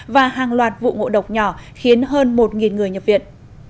và hàng loạt vụ ngộ độc nhỏ khiến hơn một người nhập viện